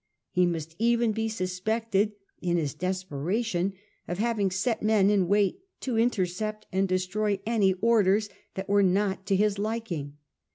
He must even be suspected, in his desperation, of having set men in wait to intercept and destroy any orders that were not to his liking.